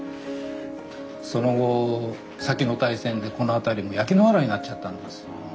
その後先の大戦でこの辺りも焼け野原になっちゃったんです。